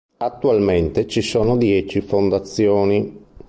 Attualmente ci sono dieci fondazioni.